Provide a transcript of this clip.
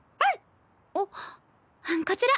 あっこちら